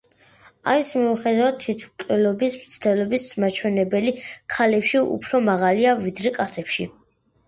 ამის მიუხედავად, თვითმკვლელობის მცდელობის მაჩვენებელი ქალებში უფრო მაღალია, ვიდრე კაცებში.